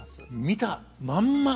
見たまんま。